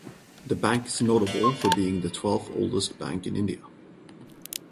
The bank is notable for being the twelfth oldest bank in India.